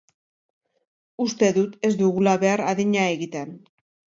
Uste dut ez dugula behar adina egiten.